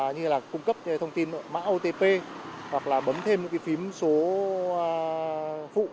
như là cung cấp thông tin mã otp hoặc là bấm thêm cái phím số phụ